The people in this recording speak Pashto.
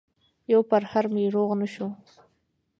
يو پرهر مې روغ نه شو